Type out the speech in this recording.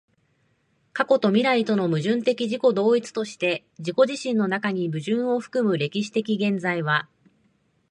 過去と未来との矛盾的自己同一として自己自身の中に矛盾を包む歴史的現在は、